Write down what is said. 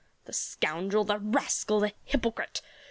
The scoundrel, the rascal, the hypocrite!